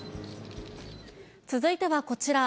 続いてはこちら。